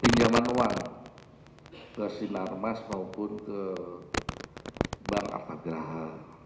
pinjaman uang ke sinarmas maupun ke barat agraha